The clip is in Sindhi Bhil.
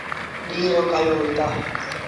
ڏيٚݩهݩ رو کآيو وهيٚتآ۔